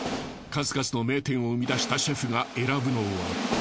数々の名店を生み出したシェフが選ぶのは。